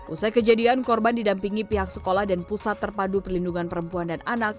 usai kejadian korban didampingi pihak sekolah dan pusat terpadu perlindungan perempuan dan anak